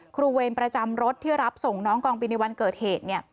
เวรประจำรถที่รับส่งน้องกองบินในวันเกิดเหตุ